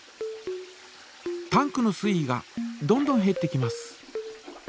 タンクの水位がどんどんへってきます。